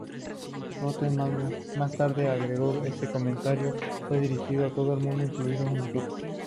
Rotten más tarde agregó: “ese comentario fue dirigido a todo el mundo, incluidos nosotros.